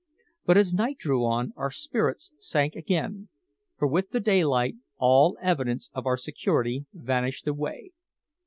But as night drew on our spirits sank again, for with the daylight all evidence of our security vanished away.